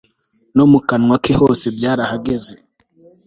no mu kanwa ke hose byarahageze